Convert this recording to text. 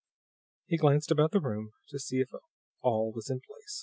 He glanced about the room, to see if all was in place.